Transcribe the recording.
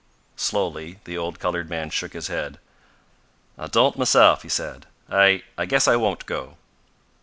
Slowly the old colored man shook his head. "I don't mahse'f," he said. "I I guess I won't go."